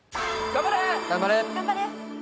頑張れ。